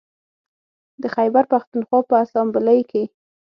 د خیبر پښتونخوا په اسامبلۍ کې